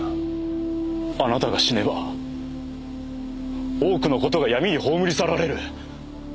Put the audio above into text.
あなたが死ねば多くの事が闇に葬り去られる。